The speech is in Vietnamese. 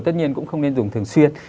tất nhiên cũng không nên dùng thường xuyên